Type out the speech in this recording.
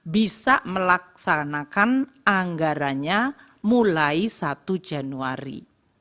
bisa melaksanakan anggarannya mulai satu januari